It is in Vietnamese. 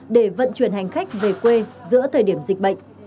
để vận chuyển hành khách về quê giữa thời điểm dịch bệnh